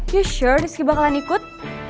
you sure diski bakalan ikut